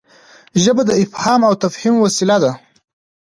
ژبه د افهام او تفهیم وسیله ده.